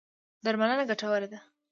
درملنه ګټوره ده.